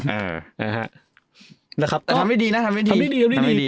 แล้วครับทำให้ดีนะทำให้ดีทำให้ดีทำให้ดี